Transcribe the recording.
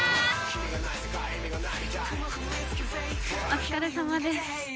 お疲れさまです。